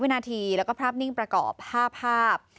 วินาทีแล้วก็ภาพนิ่งประกอบ๕ภาพ